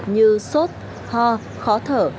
như sốt ho khó thở